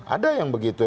ada yang begitu